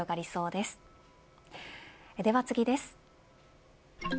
では次です。